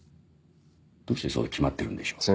どうしてそう決まってるんでしょう？